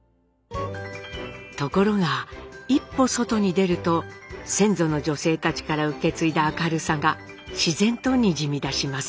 ところが一歩外に出ると先祖の女性たちから受け継いだ明るさが自然とにじみ出します。